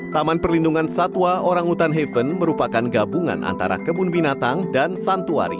taman perlindungan satwa orang hutan haven merupakan gabungan antara kebun binatang dan santuari